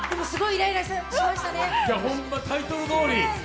ほんま、タイトルどおり。